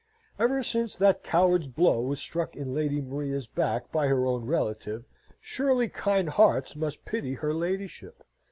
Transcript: Ever since that coward's blow was struck in Lady Maria's back by her own relative, surely kind hearts must pity her ladyship.